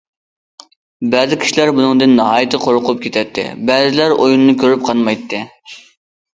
بەزى كىشىلەر بۇنىڭدىن ناھايىتى قورقۇپ كېتەتتى، بەزىلىرى ئويۇننى كۆرۈپ قانمايتتى.